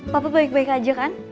papa baik baik aja kan